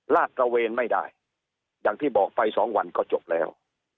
ลาดตระเวนไม่ได้อย่างที่บอกไป๒วันก็จบแล้ว